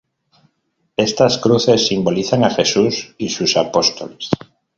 Estas cruces simbolizan a Jesús y sus apóstoles.